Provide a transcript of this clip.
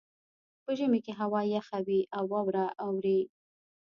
په ژمي کې هوا یخه وي او واوره اوري